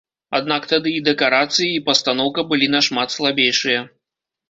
Аднак тады і дэкарацыі, і пастаноўка былі нашмат слабейшыя.